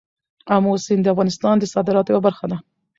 آمو سیند د افغانستان د صادراتو یوه برخه ده.